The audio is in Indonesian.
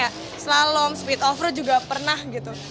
ya slalom speed over juga pernah gitu